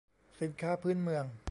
สินค้าพื้นเมือง